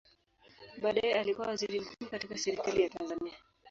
Baadaye alikua waziri mzuri katika Serikali ya Tanzania.